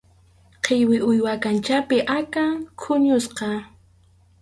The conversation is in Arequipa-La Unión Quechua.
Qhilli, uywa kanchapi akan huñusqa.